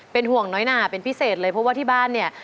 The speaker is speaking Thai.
เป็นห่วงน้อยหนาเป็นพิเศษเลยเพราะว่าที่บ้านเนี่ย